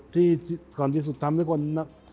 ก่อนที่สุดทำให้คน